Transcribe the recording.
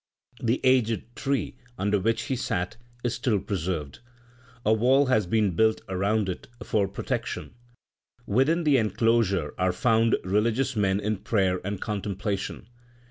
The aged tree under which he sat is still preserved. A wall has been built around it for protection. Within the enclosure are found religious men in prayer and contemplation.